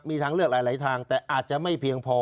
มีทางเลือกหลายทางแต่อาจจะไม่เพียงพอ